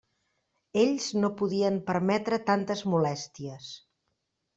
Ells no podien permetre tantes molèsties.